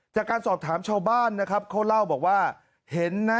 จากการสอบถามชาวบ้านนะครับเขาเล่าบอกว่าเห็นนะ